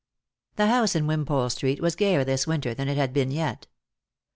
The house in Wimpole street was gayer this winter than it had been yet.